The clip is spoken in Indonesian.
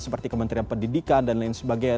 seperti kementerian pendidikan dan lain sebagainya